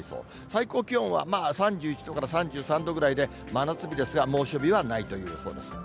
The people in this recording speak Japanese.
最高気温は、まあ、３１度から３３度ぐらいで、真夏日ですが、猛暑日はないという予想です。